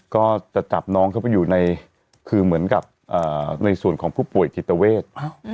ก็จะจับน้องเข้าไปอยู่ในคือเหมือนกับในส่วนของผู้ป่วยจิตเวท